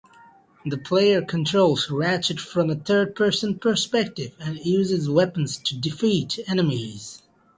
The player controls Ratchet from a third-person perspective, and uses weapons to defeat enemies.